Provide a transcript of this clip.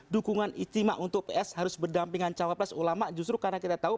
dukungan istimewa untuk ps harus berdampingan cawapres ulama justru karena kita tahu